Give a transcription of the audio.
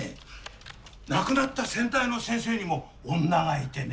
亡くなった先代の先生にも女がいてね。